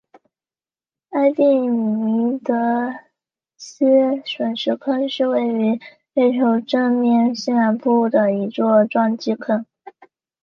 埃庇米尼得斯陨石坑是位于月球正面西南部的一座撞击坑。